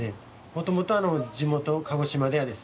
もともとあのじもと鹿児島ではですね